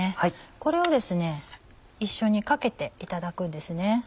これを一緒にかけていただくんですね。